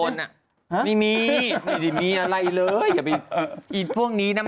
นี่บ้าบอกบ่า